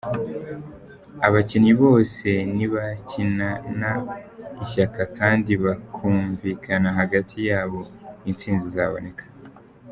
Abakinnyi bose nibakinana ishyaka kandi bakumvikana hagati yabo, intsinzi izaboneka.